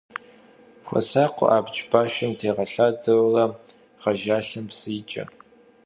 Xuesakhıu abc başşım têğelhadeure ğejjalhem psı yiç'e.